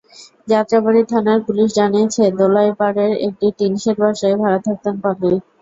যাত্রাবাড়ী থানার পুলিশ জানিয়েছে, দোলাইরপাড়ের একটি টিনশেড বাসায় ভাড়া থাকতেন পলি।